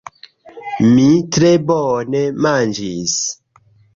Mi tre bone manĝis.